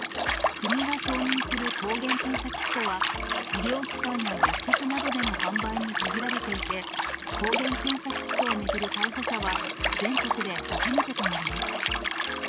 国が承認する抗原検査キットは、医療機関や薬局などでの販売に限られていて、抗原検査キットを巡る逮捕者は、全国で初めてとなります。